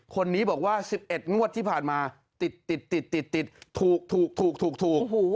คนนี้บอกว่า๑๑งวดที่ผ่านมาติดติดถูก